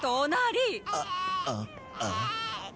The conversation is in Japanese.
あっああ。